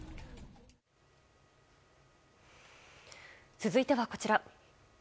続いては、こちら。